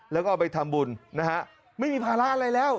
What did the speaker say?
แล้วก็เอาไปทำบุญนะฮะไม่มีภาระอะไรแล้ว